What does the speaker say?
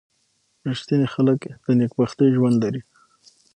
• رښتیني خلک د نېکبختۍ ژوند لري.